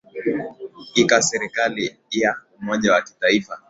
ika serikali ya umoja wa kitaifa